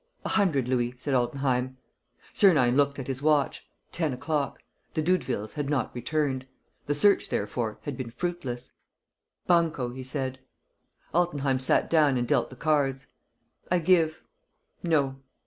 "A hundred louis," said Altenheim. Sernine looked at his watch. Ten o'clock. The Doudevilles had not returned. The search, therefore, had been fruitless. "Banco," he said. Altenheim sat down and dealt the cards: "I give." "No."